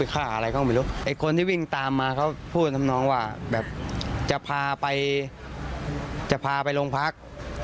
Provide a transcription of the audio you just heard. คนที่วิ่งตามมาเขาพูดกับน้องว่าจะพาไปลงพัก